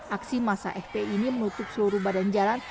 aksi masa fpi ini menutup seluruh badan jalan